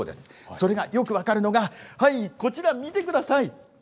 それがよく分かるのが、はい、こちら、見てください。